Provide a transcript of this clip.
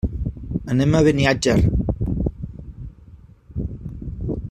Anem a Beniatjar.